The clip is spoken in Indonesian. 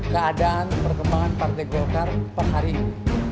keadaan perkembangan partai golkar per hari ini